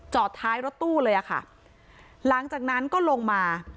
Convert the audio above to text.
ท้ายรถตู้เลยอะค่ะหลังจากนั้นก็ลงมา